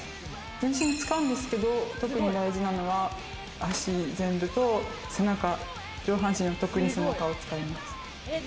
全身使うんですけど、特に大事なのは足全部と背中、上半身は特に背中を使います。